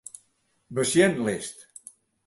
Besjenlist.